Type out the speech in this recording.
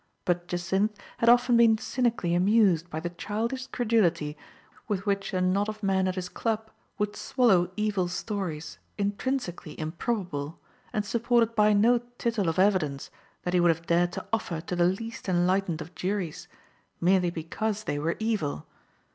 But Jacynth had often been cynically amused by the childish credulity with which a knot of men at his club would swallow evil stories, intrinsically improbable, and sup ported by no tittle of evidence that he would have dared to offer to the least enlightened of juries, merely because they were evil.